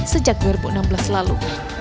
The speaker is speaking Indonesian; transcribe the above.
sejak dua ribu enam belas lalu